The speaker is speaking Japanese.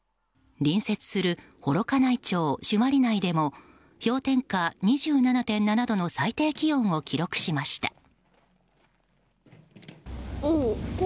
隣接する幌加内町朱鞠内でも氷点下２７．７度の最低気温を記録しました。